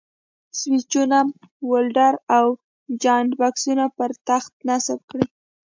سویچونه، ولډر او جاینټ بکسونه پر تخته نصب کړئ.